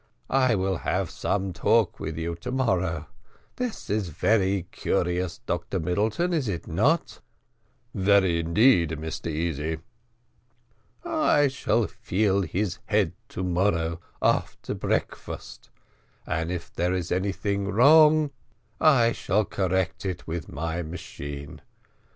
I will have some talk with you to morrow. This is very curious, Dr Middleton, is it not?" "Very, indeed, Mr Easy." "I shall feel his head to morrow after breakfast, and if there is anything wrong I shall correct it with my machine.